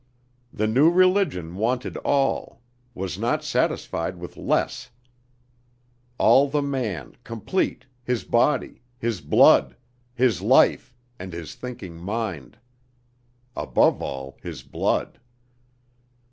The new religion wanted all, was not satisfied with less; all the man complete, his body, his blood, his life and his thinking mind. Above all his blood.